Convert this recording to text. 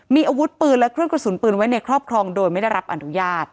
มีอาวุธปืนและเครื่องกระสุนปืนไว้ในครอบครองโดยไม่ได้รับอนุญาต